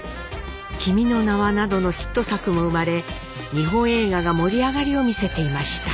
「君の名は」などのヒット作も生まれ日本映画が盛り上がりを見せていました。